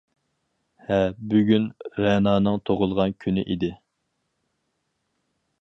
-ھە، بۈگۈن رەنانىڭ تۇغۇلغان كۈنى ئىدى.